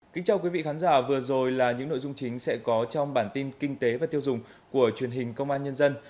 kính chào quý vị khán giả vừa rồi là những nội dung chính sẽ có trong bản tin kinh tế và tiêu dùng của truyền hình công an nhân dân